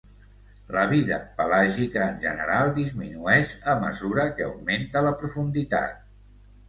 La vida pelàgica en general disminueix a mesura que augmenta la profunditat.